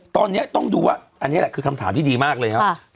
ตอนนี้ต้องดูว่าอันนี้แหละคือคำถามที่ดีมากเลยครับ